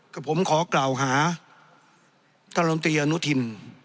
กับผมขอกล่าวหาท่านลมตรีอนุทิน